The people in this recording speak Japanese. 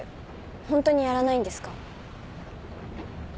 ホントにやらないんですか？